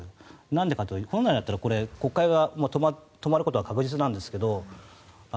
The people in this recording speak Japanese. なんでかというと本来だったら国会は止まることが確実なんですが。